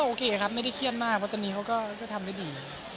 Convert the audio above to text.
โอเคครับไม่ได้เครียดมากเพราะตอนนี้เขาก็ทำไม่ดี